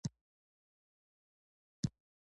په هر صورت، دغه نوي خواړه یې ښه خوښ شول.